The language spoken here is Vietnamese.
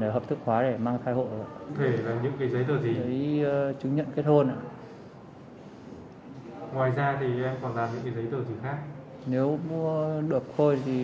để hợp thức hóa hồ sơ